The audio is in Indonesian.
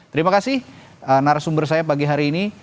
terima kasih narasumber saya pagi hari ini